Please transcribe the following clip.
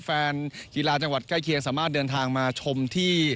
แฟนกีฬาจังหวัดใกล้เคียงสามารถเดินทางมาชมที่